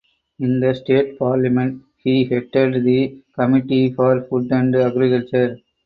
In the state parliament he headed the committee for food and agriculture.